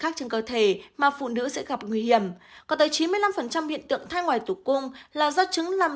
trong cơ thể mà phụ nữ sẽ gặp nguy hiểm có tới chín mươi năm hiện tượng thai ngoài tử cung là do trứng làm